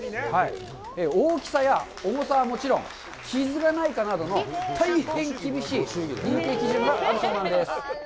大きさや重さはもちろん傷がないかなどの大変厳しい認定基準があるそうなんです。